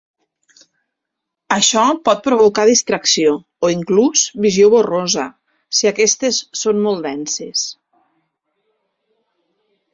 Això pot provocar distracció o, inclús, visió borrosa si aquestes són molt denses.